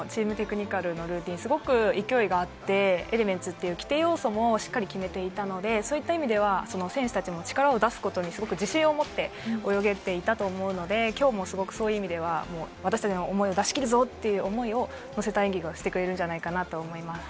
日本チームのチームのテクニカルルーティンはすごい勢いがあって、エレメンツという規定要素もしっかり決めていたので選手達も力を出すことに自信を持って泳げていたと思うので、今日も私たちの思いを出し切るぞっていう思いを乗せた演技をしてくれるんじゃないかなと思います。